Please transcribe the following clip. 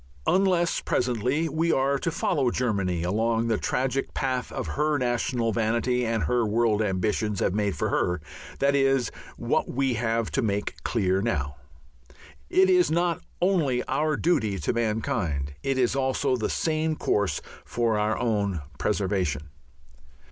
Unless presently we are to follow Germany along the tragic path her national vanity and her world ambitions have made for her, that is what we have to make clear now. It is not only our duty to mankind, it is also the sane course for our own preservation.